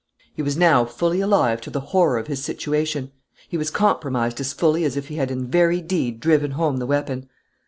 He was now fully alive to the horror of his situation; he was compromised as fully as if he had in very deed driven home the weapon.